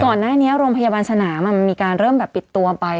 ก่อนหน้านี้โรงพยาบาลสนามมีการเริ่มแบบปิดตัวไป